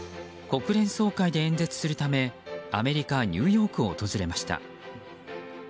国連総会で演説するためアメリカ・ニューヨークを訪れました。